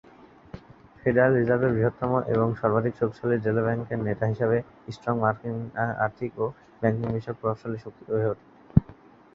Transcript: Federal রিজার্ভের বৃহত্তম এবং সর্বাধিক শক্তিশালী জেলা ব্যাংকের নেতা হিসাবে, স্ট্রং মার্কিন আর্থিক ও ব্যাংকিং বিষয়ক প্রভাবশালী শক্তি হয়ে ওঠে।